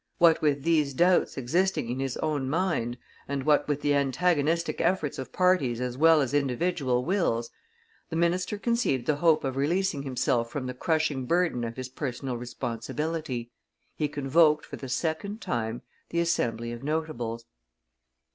What with these doubts existing in his own mind, and what with the antagonistic efforts of parties as well as individual wills, the minister conceived the hope of releasing himself from the crushing burden of his personal responsibility; he convoked for the second time the Assembly of notables.